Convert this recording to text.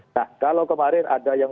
nah kalau kemarin ada yang